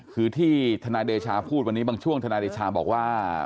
คือที่ทนายเดชาพูดวันนี้บางช่วงทนายเดชาบอกว่า